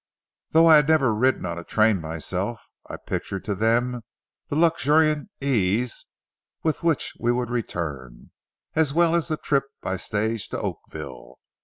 Though I had never ridden on a train myself, I pictured to them the luxuriant ease with which we would return, as well as the trip by stage to Oakville.